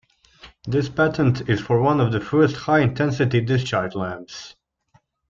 This patent is for one of the first high-intensity discharge lamps.